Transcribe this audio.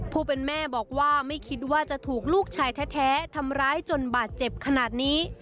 ผู้เป็นแม่บอกว่าไม่คิดว่าจะถูกลูกชายแท้ทำร้ายจนบาดเจ็บขนาดนี้